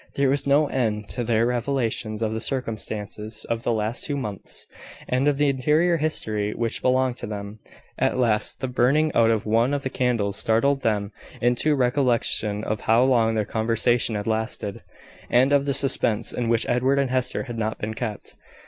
There was no end to their revelations of the circumstances of the last two months, and of the interior history which belonged to them. At last, the burning out of one of the candles startled them into a recollection of how long their conversation had lasted, and of the suspense in which Edward and Hester had been kept.